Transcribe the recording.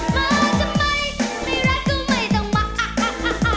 มาจะไม่ไม่รักก็ไม่ต้องมา